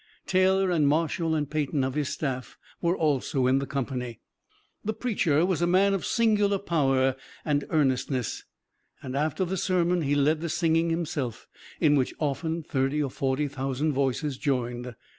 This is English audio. Taylor and Marshall and Peyton of his staff were also in the company. The preacher was a man of singular power and earnestness, and after the sermon he led the singing himself, in which often thirty or forty thousand voices joined.